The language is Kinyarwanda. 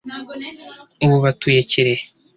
ubu batuye Kirehe